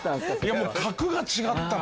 いやもう格が違ったな。